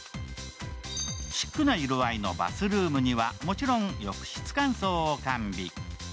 シックな色合いのバスルームにはもちろん浴室乾燥を完備。